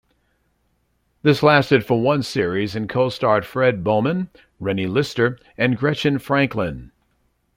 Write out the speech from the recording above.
This lasted for one series and co-starred Fred Beauman, Renny Lister and Gretchen Franklin.